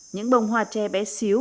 những bông hoa tre bé xíu